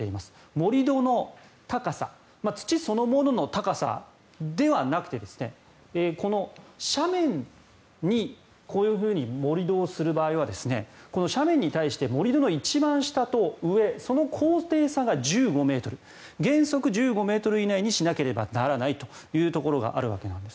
盛り土の高さ土そのものの高さではなくてこの斜面にこういうふうに盛り土をする場合はこの斜面に対して盛り土の一番下と上その高低差が１５ｍ原則１５ｍ以内にしなければならないというところがあるわけです。